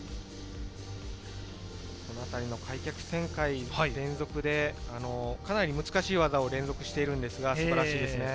このあたりの開脚旋回、連続でかなり難しい技を連続しているんですが、素晴らしいですね。